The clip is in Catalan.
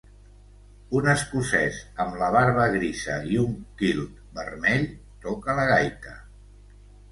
Un escocès amb la barba grisa i un kilt vermell toca la gaita.